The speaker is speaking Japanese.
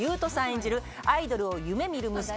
演じるアイドルを夢見る息子